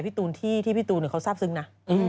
พี่ตู๋นที่พี่ตู๋นก็ซ่าบซึ่งนะ